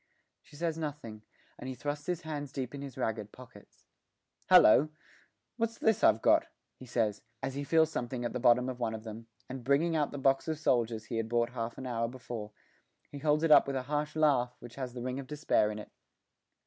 She says nothing, and he thrusts his hands deep in his ragged pockets. 'Hallo! what's this I've got?' he says, as he feels something at the bottom of one of them, and, bringing out the box of soldiers he had bought half an hour before, he holds it up with a harsh laugh which has the ring of despair in it.